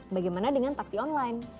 bagaimana dengan taksi online